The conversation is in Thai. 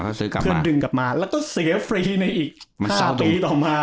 เพื่อนดึงกลับมาแล้วก็เสียฟรีในอีก๕ปีต่อมา